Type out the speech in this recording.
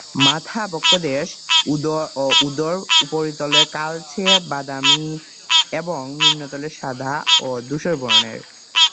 মাথা, বক্ষদেশ ও উদর উপরিতলে কালচে বাদামি এবং নিম্নতলে সাদা ও ধূসর বর্নের।